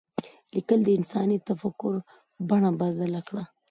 لیکل د انساني تفکر بڼه بدله کړه.